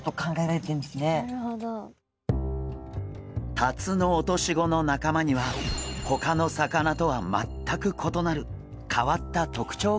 タツノオトシゴの仲間にはほかの魚とは全く異なる変わった特徴があるんです。